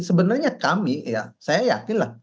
sebenarnya kami ya saya yakin lah